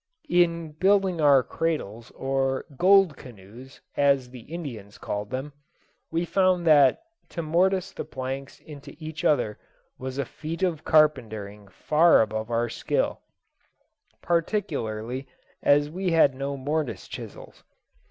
In building our cradles, or "gold canoes," as the Indians called them, we found that to mortice the planks into each other was a feat of carpentering far above our skill, particularly as we had no mortice chisels.